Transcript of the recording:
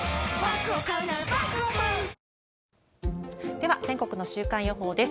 では、全国の週間予報です。